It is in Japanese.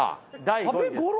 第５位です。